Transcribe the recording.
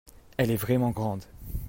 Elle est vraiment grande.